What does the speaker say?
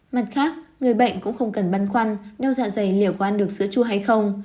mặt khác người bệnh cũng không cần băn khoăn nếu dạ dày liệu có ăn được sữa chua hay không